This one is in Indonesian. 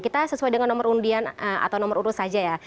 kita sesuai dengan nomor undian atau nomor urut saja ya